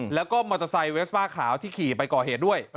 แล้วก็มอเตอร์ไซค์เวสป้าขาวที่ขี่ไปก่อเหตุด้วย